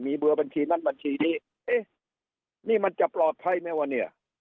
เบอร์บัญชีนั้นบัญชีนี้เอ๊ะนี่มันจะปลอดภัยไหมวะเนี่ย